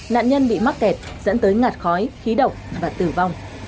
nạn nhân bị mắc kẹt dẫn tới ngạt khói khí độc và tử vong